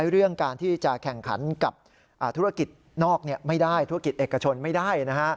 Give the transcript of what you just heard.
เรื่องการที่จะแข่งขันกับธุรกิจนอกไม่ได้ธุรกิจเอกชนไม่ได้นะฮะ